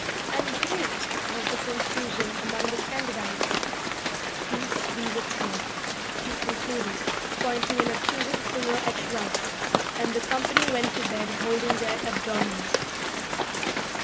'And great was the confusion among the candidites. 'Peace be with you,' he concluded, pointing an accusing finger at Ruggs; and the company went to bed holding their abdomens.